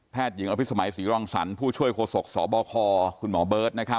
แพทย์หญิงอภิษฐธิสมัยศรีรองสรรค์ผู้ช่วยโคศกสบคคุณหมอเบิร์ต